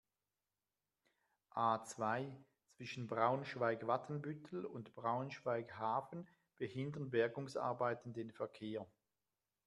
A-zwei, zwischen Braunschweig-Watenbüttel und Braunschweig-Hafen behindern Bergungsarbeiten den Verkehr.